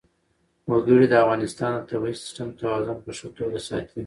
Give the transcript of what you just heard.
وګړي د افغانستان د طبعي سیسټم توازن په ښه توګه ساتي.